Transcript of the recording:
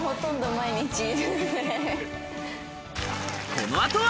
このあとは。